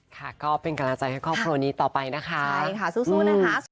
ค่ะก็เป็นกำลังใจให้ครอบครัวนี้ต่อไปนะคะใช่ค่ะสู้นะคะ